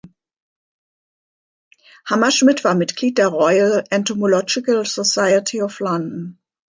Hammerschmidt war Mitglied der Royal Entomological Society of London.